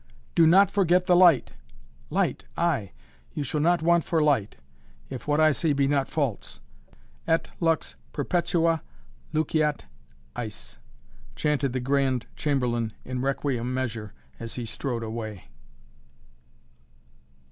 "Do not forget the light." "Light! Ay! You shall not want for light, if what I say be not false: Et lux perpetua luceat eis," chanted the Grand Chamberlain in Requiem measure, as he strode away.